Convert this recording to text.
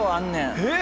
えっ！